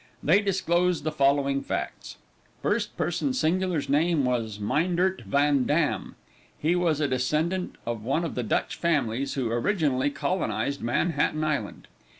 They disclosed the following facts. First person singular's name was Myndert Van Dam; he was a descendent of one of the Dutch families who originally colonized Manhattan Island.